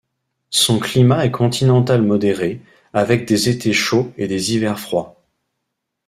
Son climat est continental modéré, avec des étés chauds et des hivers froids.